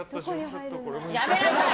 やめなさい！